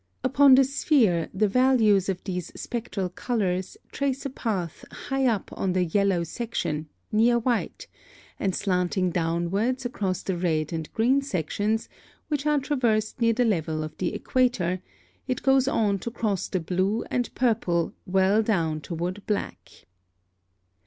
Upon the sphere the values of these spectral colors trace a path high up on the yellow section, near white, and slanting downward across the red and green sections, which are traversed near the level of the equator, it goes on to cross the blue and purple well down toward black.